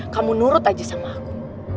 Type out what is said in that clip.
kamu nurut aja sama aku